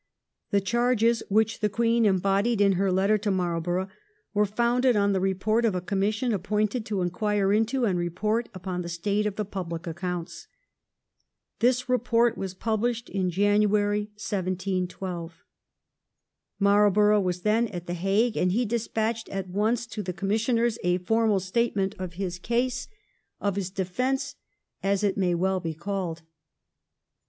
The charges which the Queen embodied in her letter to Marlborough were founded on the report of a commission appointed to inquire into and report upon the state of the public accounts. This report was pubhshed in January 1712. Marlborough was then at The Hague and he despatched at once to the Cpmmissioners a formal statement of his case — of his 118 THE REIGN OF QUEEN ANNE. ch. ixvi. defence, as it may well be called.